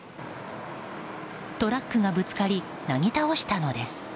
トラックがぶつかりなぎ倒したのです。